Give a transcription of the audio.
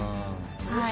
はい。